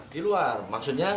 di luar maksudnya